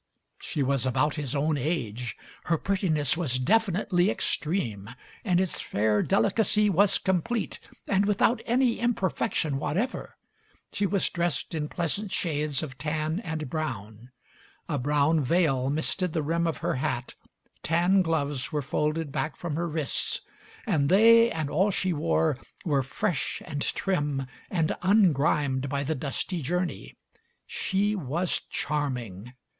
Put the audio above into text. She was about his own age. Her prettiness was Digitized by Google 134 MARY SMITH definitely extreme, and its fair delicacy was com plete and without any imperfection whatever. She was dressed in pleasant shades of tan and brown. A brown veil misted the rim of her hat, tan gloves were folded back from her wrists; and they, and all she wore, were fresh and trim and ungrimed by the dusty journey. She was charming.